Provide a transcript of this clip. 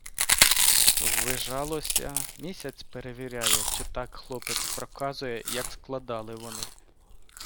Ввижалося - місяць перевіряє, чи так хлопець проказує, як складали вони.